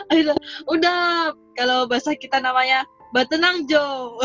ayo udah kalau bahasa kita namanya batenang jo